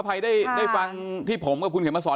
ภัยได้ฟังที่ผมกับคุณเขียนมาสอน